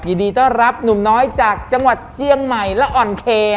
ยินดีต้อนรับหนุ่มน้อยจากจังหวัดเจียงใหม่และอ่อนเค